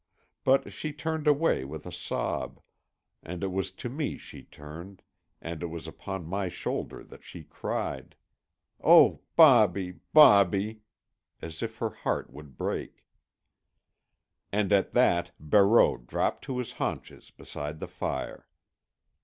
But she turned away with a sob, and it was to me she turned, and it was upon my shoulder that she cried, "Oh, Bobby, Bobby!" as if her heart would break. And at that Barreau dropped to his haunches beside the fire.